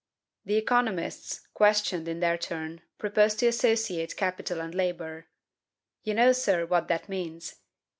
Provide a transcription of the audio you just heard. The economists, questioned in their turn, propose to associate capital and labor. You know, sir, what that means.